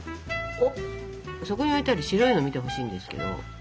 そこに置いてある白いの見てほしいんですけど。